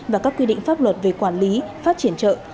và các quy định pháp luật về quản lý phát triển chợ